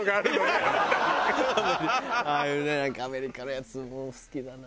ああいうねなんかアメリカのやつ好きだな。